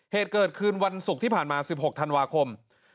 เหตุเกิดขึ้นวันศุกร์ที่ผ่านมา๑๖ธันวาคม